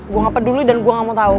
gue ngapa dulu dan gue nggak mau tau